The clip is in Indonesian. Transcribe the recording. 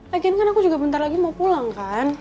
lagi kan aku juga bentar lagi mau pulang kan